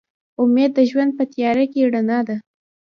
امید د ژوند په تیاره کې رڼا ده.